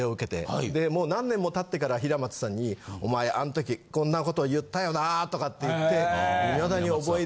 で何年もたってから平松さんにお前あんときこんなこと言ったよなとかって言って。